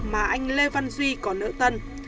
mà anh lê văn duy có nợ tân